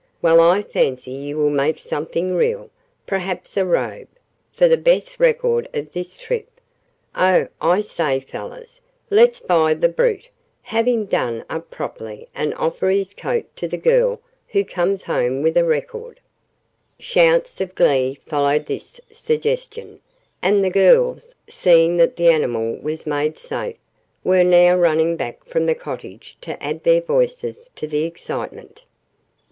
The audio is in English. "Well, I fancy you will make something real perhaps a robe for the best record of this trip. Oh, I say, fellows, let's buy the brute, have him done up properly, and offer his coat to the girl who comes home with a record." Shouts of glee followed this suggestion, and the girls, seeing that the animal was made safe, were now running back from the cottage to add their voices to the excitement.